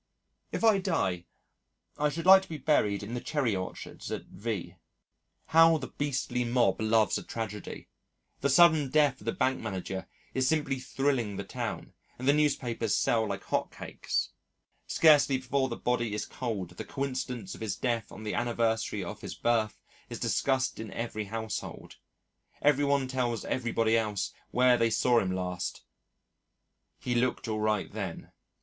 If I die I should like to be buried in the cherry orchards at V . How the beastly mob loves a tragedy! The sudden death of the Bank Manager is simply thrilling the town, and the newspapers sell like hot cakes. Scarcely before the body is cold the coincidence of his death on the anniversary of his birth is discussed in every household; every one tells everybody else where they saw him last "he looked all right then."